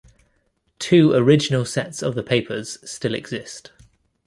Two original sets of the papers still exist.